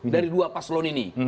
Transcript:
dari dua paslon ini